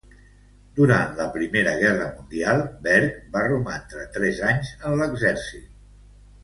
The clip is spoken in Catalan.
Durant la Primera Guerra Mundial, Berg va romandre tres anys en l'exèrcit.